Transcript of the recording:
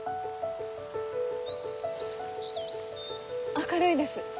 明るいです。